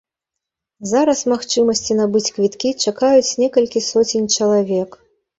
Зараз магчымасці набыць квіткі чакаюць некалькі соцень чалавек.